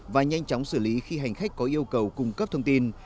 và nhanh chóng xử lý khi hành khách có yêu cầu cung cấp thông tin